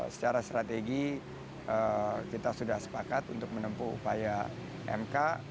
secara strategi kita sudah sepakat untuk menempuh upaya mk